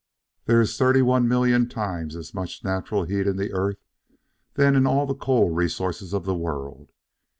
There is 31,000,000 times as much natural heat in the earth than in all the coal resources of the world.